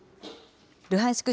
ルハンシク